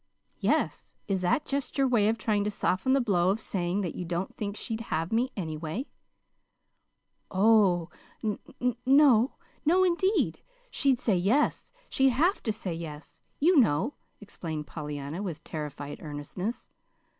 "Yes. Is that just your way of trying to soften the blow of saying that you don't think she'd have me, anyway?" "Oh, n no no, indeed. She'd say yes she'd HAVE to say yes, you know," explained Pollyanna, with terrified earnestness.